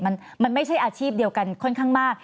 มันไม่ใช่อาชีพเดียวกันค่อนข้างมาก